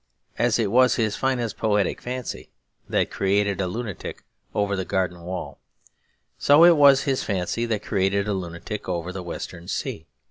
As it was his finest poetic fancy that created a lunatic over the garden wall, so it was his fancy that created a lunatic over the western sea.